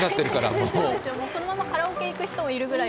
そうですよ、そのままカラオケ行く人もいるくらい。